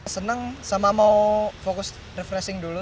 senang sama mau fokus refreshing dulu